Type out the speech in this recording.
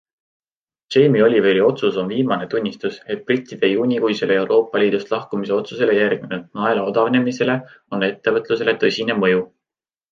Jamie Oliveri otsus on viimane tunnistus, et brittide juunikuisele Eroopa Liidust lahkumise otsusele järgnenud naela odavnemisel on ettevõtlusele tõsine mõju.